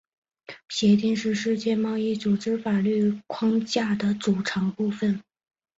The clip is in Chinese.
协定是世界贸易组织法律框架的组成部分。